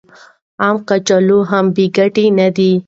عام کچالو هم بې ګټې نه دي.